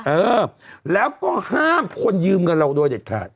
เออแล้วก็ห้ามคนยืมเงินเราโดยเด็ดขาด